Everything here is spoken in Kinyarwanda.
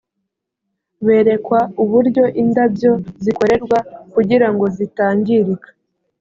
berekwa uburyo indabyo zikorerwa kugira ngo zitangirika